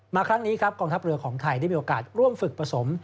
ครั้งนี้ครับกองทัพเรือของไทยได้มีโอกาสร่วมฝึกผสม